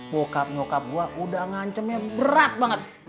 bokap nyokap gue udah ngancemnya berat banget